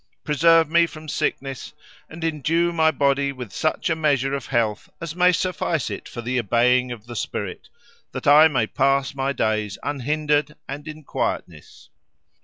Preserve me from sickness; and endue my body with such a measure of health as may suffice it for the obeying of the spirit, that I may pass my days unhindered and in quietness."